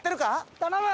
頼む！